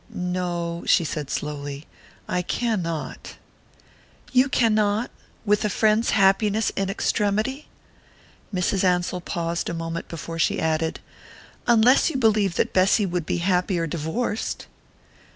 "No," she said slowly. "I cannot." "You cannot? With a friend's happiness in extremity?" Mrs. Ansell paused a moment before she added. "Unless you believe that Bessy would be happier divorced?"